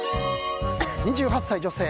２８歳、女性。